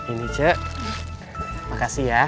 ini ce makasih ya